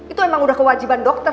itu memang udah kewajiban dokter